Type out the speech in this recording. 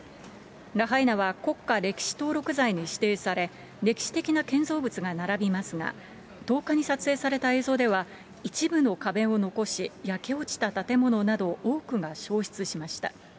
ラハイナは国家歴史登録財に指定され、歴史的な建造物が並びますが、１０日に撮影された映像では、一部の壁を残し、焼け落ちた建物など、多くが焼失しました。